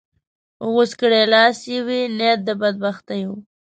غوڅ کړې لاس چې یې وي نیت د بدبختیو